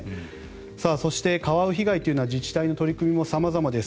そして、カワウ被害は自治体の取り組みも様々です。